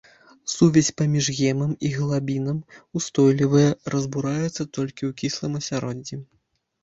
Сувязь паміж гемам і глабінам устойлівая, разбураецца толькі ў кіслым асяроддзі.